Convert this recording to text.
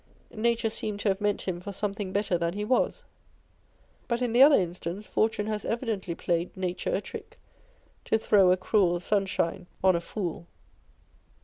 Nature seemed to have meant him for some thing better than he was. But in the other instance, Fortune has evidently played Nature a trick, To throw a cruel sunshine on a fool.